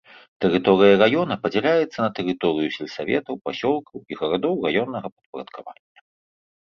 Тэрыторыя раёна падзяляецца на тэрыторыю сельсаветаў, пасёлкаў і гарадоў раённага падпарадкавання.